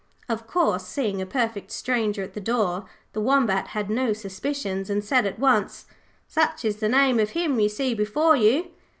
Of course, seeing a perfect stranger at the door, the Wombat had no suspicions, and said at once, 'Such is the name of him you see before you.'